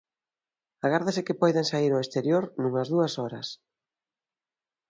Agárdase que poidan saír ao exterior nunhas dúas horas.